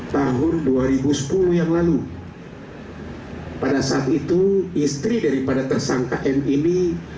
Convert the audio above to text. tahun dua ribu sepuluh yang lalu pada saat itu istri daripada tersangka m ini